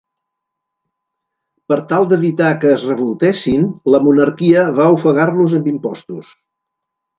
Per tal d'evitar que es revoltessin, la monarquia va ofegar-los amb impostos.